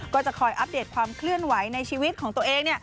ก็จะคอยอัปเดตความเคลื่อนไหวในชีวิตของตัวเอง